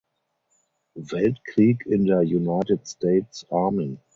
Weltkrieg in der United States Army.